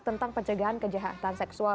tentang pencegahan kejahatan seksual